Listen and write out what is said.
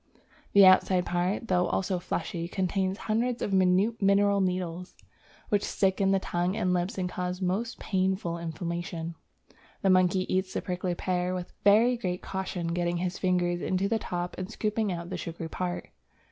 The outside part, though also fleshy, contains hundreds of minute mineral needles, which stick in the tongue and lips and cause most painful inflammation. The monkey eats the prickly pear with very great caution, getting his fingers into the top and scooping out the sugary part.